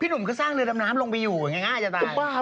พี่หนุ่มก็สร้างเรือนำน้ำลงไปอยู่แง่จะตาย